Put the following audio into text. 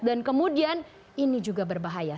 dan kemudian ini juga berbahaya